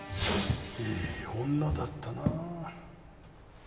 ・いい女だったな